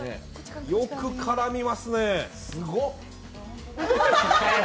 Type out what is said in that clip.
よく絡みますね。